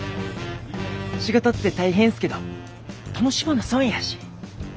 仕事って大変っすけど楽しまな損やし。